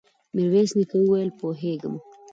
ميرويس نيکه وويل: پوهېږم.